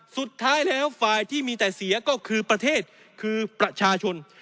สุดท้ายแล้วฝ่ายที่มีแต่เสียก็คือประเทศคือประชาชน